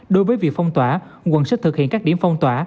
đối với việc phong tỏa quận sẽ thực hiện các điểm phong tỏa